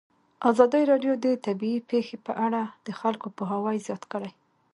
ازادي راډیو د طبیعي پېښې په اړه د خلکو پوهاوی زیات کړی.